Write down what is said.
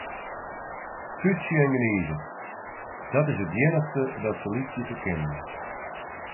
Tútsje en gnize, dat is it iennichste dat se lykje te kinnen.